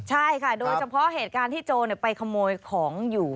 ใช่ค่ะโดยเฉพาะเหตุการณ์ที่โจรไปขโมยของอยู่